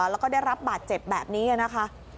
แล้วก็ได้รับบาดเจ็บแบบนี้นะคะ